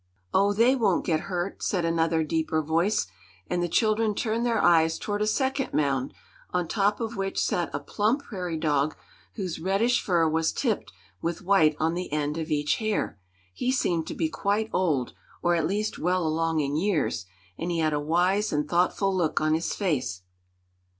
"Oh, they won't get hurt," said another deeper voice, and the children turned their eyes toward a second mound, on top of which sat a plump prairie dog whose reddish fur was tipped with white on the end of each hair. He seemed to be quite old, or at least well along in years, and he had a wise and thoughtful look on his face.